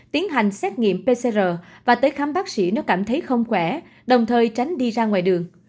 tiến hành xét nghiệm pcr và tới khám bác sĩ nó cảm thấy không khỏe đồng thời tránh đi ra ngoài đường